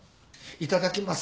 いただきます